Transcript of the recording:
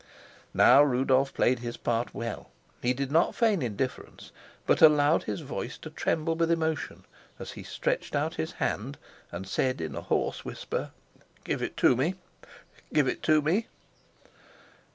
Now Rudolf played his part well. He did not feign indifference, but allowed his voice to tremble with emotion as he stretched out his hand and said in a hoarse whisper, "Give it me, give it me."